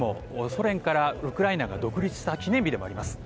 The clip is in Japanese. ソ連からウクライナが独立した記念日でもあります。